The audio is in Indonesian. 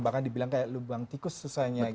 bahkan dibilang seperti lubang tikus